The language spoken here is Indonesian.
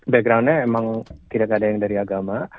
backgroundnya emang tidak ada yang dari agama